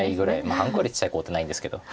半コウよりちっちゃいコウってないんですけど。